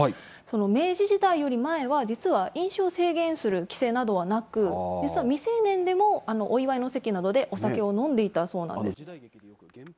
明治時代より前は、実は飲酒を制限する規制などはなく未成年でもお祝いの席などでお酒を飲んでいたそうなんです。